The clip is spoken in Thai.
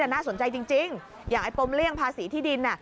น่าสนใจจริงอย่างไอ้ปมเลี่ยงภาษีที่ดิน